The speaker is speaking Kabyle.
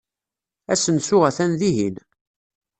Asensu atan dihin.